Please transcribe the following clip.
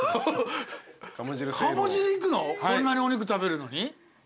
こんなにお肉食べるのに？